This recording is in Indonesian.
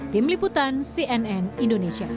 tim liputan cnn indonesia